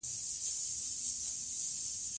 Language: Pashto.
ازادي راډیو د کډوال په اړه د خلکو احساسات شریک کړي.